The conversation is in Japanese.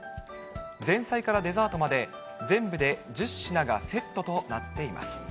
前菜からデザートまで、全部で１０品がセットとなっています。